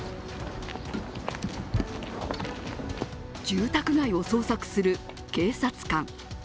住宅街を捜索する警察官。